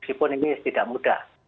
meskipun ini tidak mudah